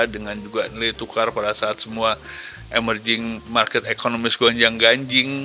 dengan juga nilai tukar pada saat semua emerging market ekonomis gonjang ganjing